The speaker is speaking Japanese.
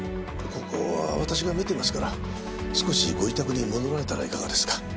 ここは私が見てますから少しご自宅に戻られたらいかがですか？